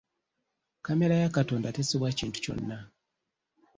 Kkamera ya Katonda tesubwa kintu kyonna.